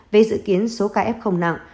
về dự kiến số ca f nặng